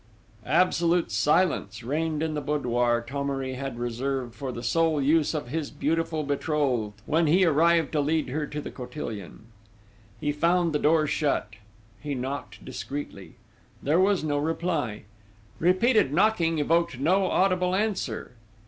Absolute silence reigned in the boudoir Thomery had reserved for the sole use of his beautiful betrothed, when he arrived to lead her to the cotillion. He found the door shut. He knocked discreetly. There was no reply. Repeated knocking evoked no audible answer.